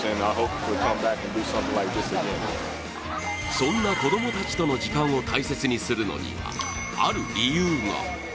そんな子供たちとの時間を大切にするのには、ある理由が。